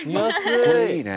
これいいね。